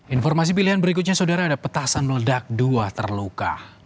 informasi pilihan berikutnya saudara ada petasan meledak dua terluka